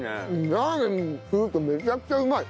ラーメンにするとめちゃくちゃうまい。